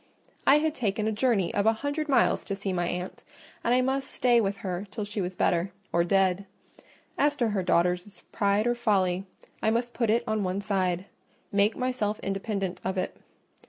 I had taken a journey of a hundred miles to see my aunt, and I must stay with her till she was better—or dead: as to her daughters' pride or folly, I must put it on one side, make myself independent of it.